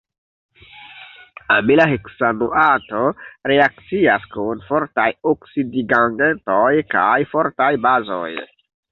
Amila heksanoato reakcias kun fortaj oksidigagentoj kaj fortaj bazoj.